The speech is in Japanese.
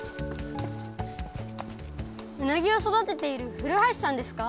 うなぎを育てている古橋さんですか？